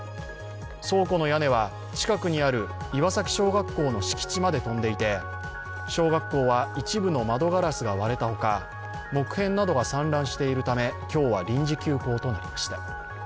倉庫の屋根は近くにあるいわさき小学校の敷地まで飛んでいて小学校は一部の窓ガラスが割れたほか木片などが散乱しているため今日は臨時休校となりました。